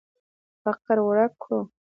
فقر ورک کړو.